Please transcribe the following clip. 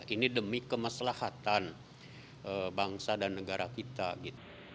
ini demi kemaslahatan bangsa dan negara kita gitu